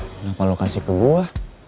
kenapa lo kasih ke gue